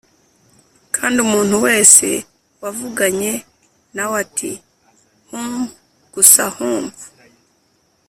kandi umuntu wese yavuganye nawe ati 'humph!' gusa 'humph!'